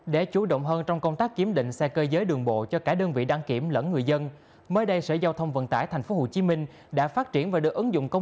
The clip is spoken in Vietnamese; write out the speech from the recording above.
để chủ động hơn trong công tác kiểm định xe cơ giới đường bộ cho cả đơn vị đăng kiểm lẫn người dân mới đây sở giao thông vận tải tp hcm đã phát triển và đưa ứng dụng công